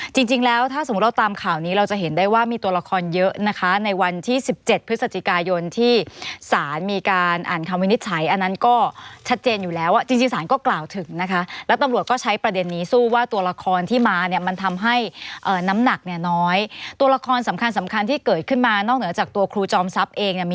จริงแล้วถ้าสมมุติเราตามข่าวนี้เราจะเห็นได้ว่ามีตัวละครเยอะนะคะในวันที่สิบเจ็ดพฤศจิกายนที่สารมีการอ่านคำวินิจฉัยอันนั้นก็ชัดเจนอยู่แล้วจริงสารก็กล่าวถึงนะคะแล้วตำรวจก็ใช้ประเด็นนี้สู้ว่าตัวละครที่มาเนี่ยมันทำให้น้ำหนักเนี่ยน้อยตัวละครสำคัญสำคัญที่เกิดขึ้นมานอกเหนือจากตัวครูจอมทรัพย์เองเนี่ยมี